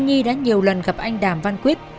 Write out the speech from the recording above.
nhi đã nhiều lần gặp anh đàm văn quyết